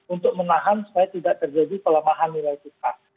untuk menahan supaya tidak terjadi pelemahan nilai tukar